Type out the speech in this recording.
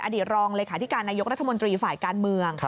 ตรองเลขาธิการนายกรัฐมนตรีฝ่ายการเมือง